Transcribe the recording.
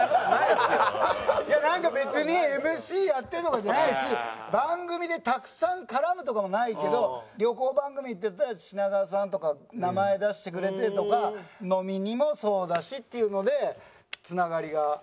いやなんか別にＭＣやってるとかじゃないし番組でたくさん絡むとかもないけど旅行番組っていったら品川さんとか名前出してくれてとか飲みにもそうだしっていうので繋がりが。